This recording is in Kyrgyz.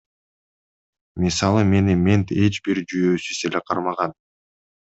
Мисалы, мени мент эч бир жүйөөсүз эле кармаган.